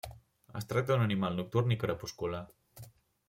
Es tracta d'un animal nocturn i crepuscular.